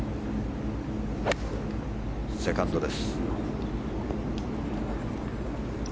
セカンドです。